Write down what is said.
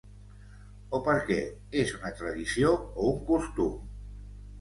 O perquè és una tradició o un costum?